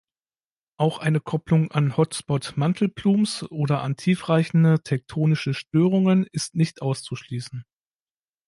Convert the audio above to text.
Auch eine Kopplung an Hotspot-Mantelplumes oder an tiefreichende tektonische Störungen ist nicht auszuschließen.